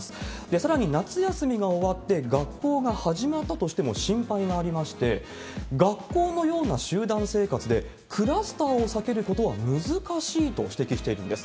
さらに、夏休みが終わって学校が始まったとしても心配がありまして、学校のような集団生活で、クラスターを避けることは難しいと指摘しているんです。